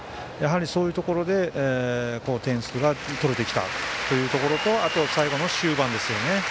そういうところで点数が取れてきたところとあと、最後の終盤ですね。